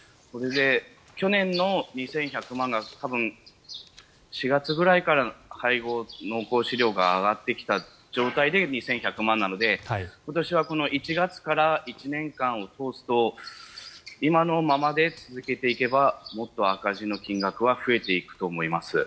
去年の２１００万が多分、４月くらいから配合飼料の価格が上がってくると２１００万なので今年は１月から１年間を通すと今のままで続けていけばもっと赤字の金額は増えていくと思います。